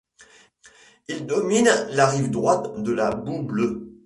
Il domine la rive droite de la Bouble.